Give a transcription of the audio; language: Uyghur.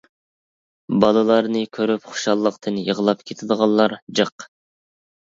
بالىلارنى كۆرۈپ خۇشاللىقتىن يىغلاپ كېتىدىغانلار جىق.